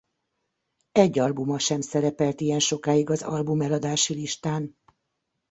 Egy albuma sem szerepelt ilyen sokáig az album eladási listán.